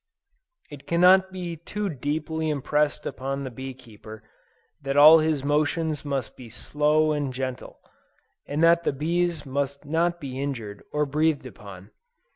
It cannot be too deeply impressed upon the bee keeper, that all his motions must be slow and gentle, and that the bees must not be injured or breathed upon.